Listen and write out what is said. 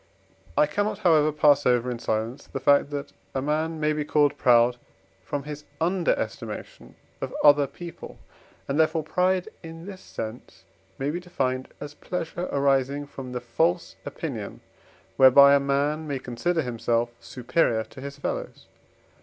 I cannot, however, pass over in silence the fact, that a man may be called proud from his underestimation of other people; and, therefore, pride in this sense may be defined as pleasure arising from the false opinion, whereby a man may consider himself superior to his fellows.